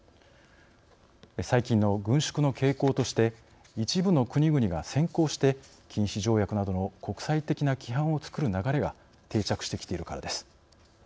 最近の軍縮の傾向として一部の国々が先行して禁止条約などの国際的な規範をつくる流れが定着してきているからです。